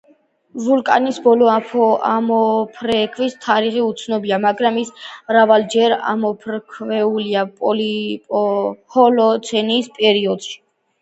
ვულკანის ბოლო ამოფრქვევის თარიღი უცნობია, მაგრამ ის მრავალჯერ ამოფრქვეულა ჰოლოცენის პერიოდში.